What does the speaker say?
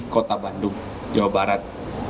kota bandung jawa barat